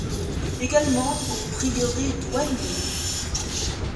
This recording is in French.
Également au Prieuré d'Oignies.